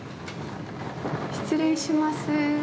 失礼します。